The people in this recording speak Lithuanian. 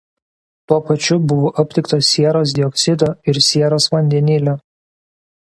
Tuo pačiu buvo aptikta sieros dioksido ir sieros vandenilio.